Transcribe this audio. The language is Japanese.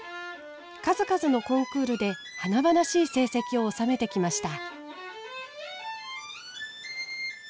数々のコンクールで華々しい成績を収めてきました。